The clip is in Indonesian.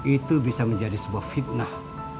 itu bisa menjadi sebuah fitnah